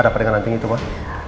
ada apa dengan anting itu mbak